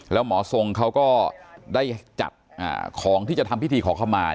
แล้วหมอทรงเขาก็ได้จัดของที่จะทำพิธีขอเข้ามา